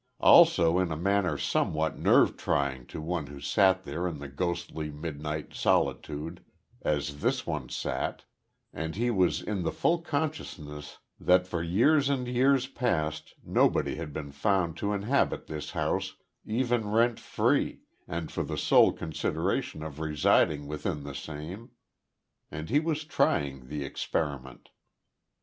Also in a manner somewhat nerve trying to one who sat there in the ghostly midnight solitude as this one sat, and he in the full consciousness that for years and years past nobody had been found to inhabit this house even rent free and for the sole consideration of residing within the same. And he was trying the experiment.